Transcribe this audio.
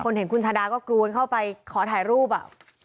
เห็นคุณชาดาก็กรูนเข้าไปขอถ่ายรูปอ่ะ